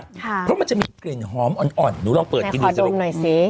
ค่ะเพราะมันจะมีกลิ่นหอมอ่อนอ่อนหนูลองเปิดกินดูสรุปแน่ขอดูหน่อยสิ